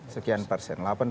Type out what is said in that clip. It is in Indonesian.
delapan puluh sekian persen